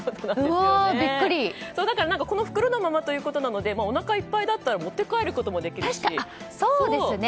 この袋のままということなのでおなかがいっぱいだったら持って帰ることもできますしね。